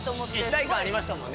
一体感ありましたもんね。